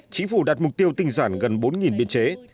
chính phủ đặt mục tiêu tinh giản gần bốn biên chế